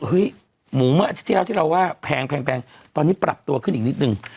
หมูเมื่ออาทิตย์ที่แล้วที่เราว่าแพงตอนนี้ปรับตัวขึ้นอีกนิดนึง